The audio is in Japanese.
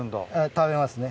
食べますね。